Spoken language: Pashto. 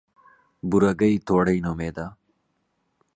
بورګۍ توړۍ نومېده.